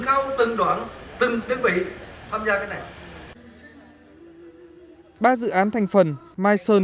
sau đó lòng rõ trách nhiệm từng khâu từng đoạn từng đơn vị tham gia cái này